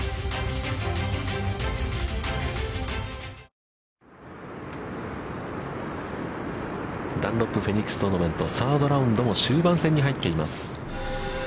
ちょっと左に曲がりそうなダンロップフェニックストーナメント、サードラウンドも終盤戦に入っています。